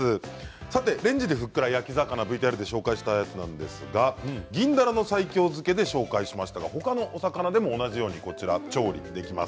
さて、レンジでふっくら焼き魚ＶＴＲで紹介したやつなんですが銀だらの西京漬けで紹介しましたが他のお魚でも同じように調理できます。